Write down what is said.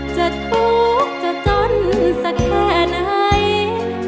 จะทุกข์จะจนสักแค่ไหน